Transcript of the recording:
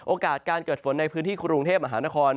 โอกาสการเกิดฝนในพื้นที่กรุงเทพมหานคร